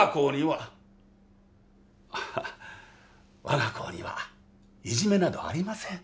わが校にはいじめなどありません。